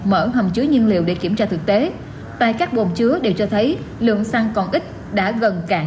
mở hầm chứa nhiên liệu để kiểm tra thực tế tại các bồn chứa đều cho thấy lượng xăng còn ít đã gần cạn